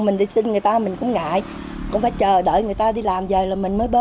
mình xài nhiều mình cũng sợ ngại nữa